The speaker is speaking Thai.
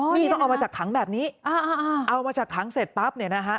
นี่ต้องเอามาจากถังแบบนี้เอามาจากถังเสร็จปั๊บเนี่ยนะฮะ